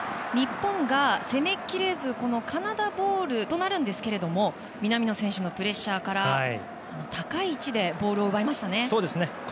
日本が攻めきれずカナダボールとなるんですが南野選手のプレッシャーから高い位置でボールを奪いましたね。